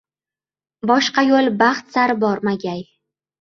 Boshqa yo‘l baxt sari bormagay.